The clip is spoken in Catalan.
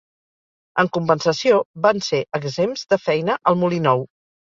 En compensació, van ser exempts de feina al molí nou.